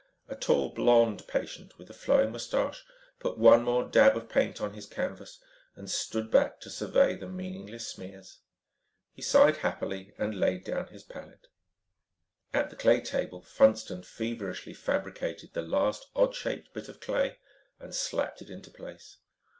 A tall, blond patient with a flowing mustache, put one more dab of paint on his canvas and stood back to survey the meaningless smears. He sighed happily and laid down his palette. At the clay table, Funston feverishly fabricated the last odd shaped bit of clay and slapped it into place.